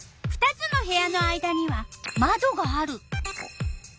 ２つの部屋の間にはまどがある。